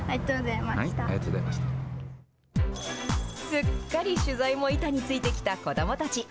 すっかり取材も板についてきた子どもたち。